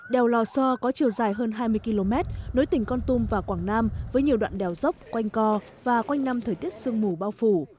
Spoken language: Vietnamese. đèo lò so có chiều dài hơn hai mươi km nối tỉnh con tum và quảng nam với nhiều đoạn đèo dốc quanh co và quanh năm thời tiết sương mù bao phủ